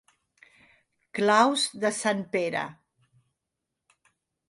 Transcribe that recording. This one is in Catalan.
Claus de sant Pere.